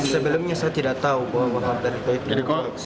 sebelumnya saya tidak tahu bahwa berita itu adalah bohong